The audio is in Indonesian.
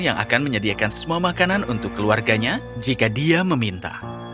yang akan menyediakan semua makanan untuk keluarganya jika dia meminta